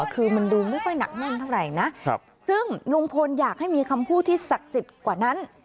คือมันดูไม่ค่อยหนักแน่นเท่าไหร่นะซึ่งลุงพลอยากให้มีคำพูดที่ศักดิ์สิทธิ์กว่านั้น